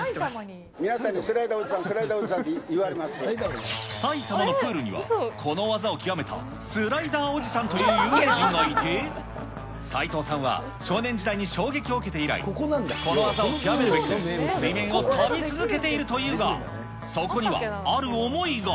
皆さんにスライダーおじさん、埼玉のプールには、この技を極めたスライダーおじさんという有名人がいて、齋藤さんは少年時代に衝撃を受けて以来、この技を極めるべく、水面を跳び続けているというが、そこにはある思いが。